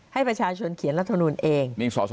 ให้ประชาชนเขียนรัฐมนูลเอง